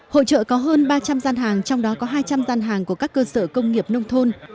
hội trợ có hơn ba trăm linh gian hàng trong đó có hai trăm linh gian hàng của các cơ sở công nghiệp nông thôn